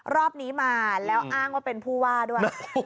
รอบนี้มาแล้วอ้างว่าเป็นผู้ว่าด้วย